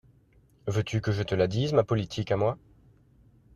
Veux-tu que je te la dise, ma politique, à moi?